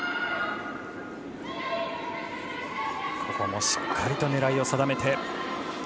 ここもしっかりと狙いを定めて。